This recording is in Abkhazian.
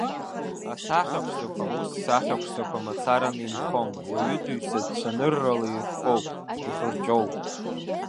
Асахьа ԥшӡақәа ус сахьа ԥшӡақәа мацараны инхом, уаҩытәыҩсатә цәаныррала ирԥхоуп, ихырҷоуп…